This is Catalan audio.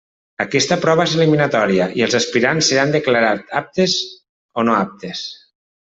Aquesta prova és eliminatòria i els aspirants seran declarats aptes o no aptes.